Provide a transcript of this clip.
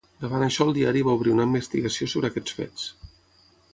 Davant això el diari va obrir una investigació sobre aquests fets.